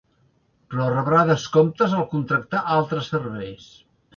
Però rebrà descomptes al contractar altres serveis.